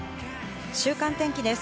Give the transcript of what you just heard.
週間天気です。